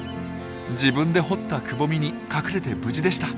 自分で掘ったくぼみに隠れて無事でした。